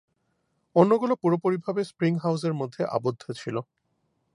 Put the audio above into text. অন্যগুলো পুরোপুরিভাবে স্প্রিং হাউসের মধ্যে আবদ্ধ ছিল।